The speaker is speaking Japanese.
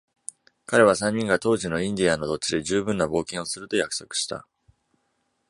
彼は三人が当時のインディアンの土地で十分な冒険をすると約束した。